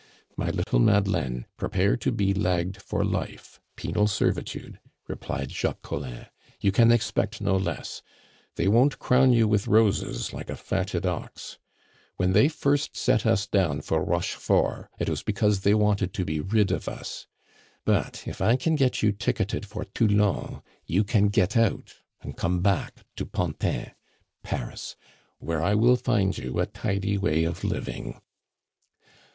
"My little Madeleine, prepare to be lagged for life (penal servitude)," replied Jacques Collin. "You can expect no less; they won't crown you with roses like a fatted ox. When they first set us down for Rochefort, it was because they wanted to be rid of us! But if I can get you ticketed for Toulon, you can get out and come back to Pantin (Paris), where I will find you a tidy way of living."